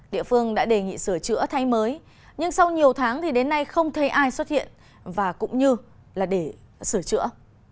địa phương đã đề nghị sửa chữa thay mới nhưng sau nhiều tháng thì đến nay không thấy ai xuất hiện và cũng như là để sửa chữa